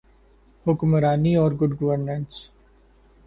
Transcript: حکمرانی اورگڈ گورننس۔